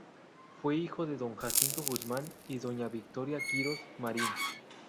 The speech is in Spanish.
Fue hijo de don Jacinto Guzmán y doña Victoria Quirós Marín.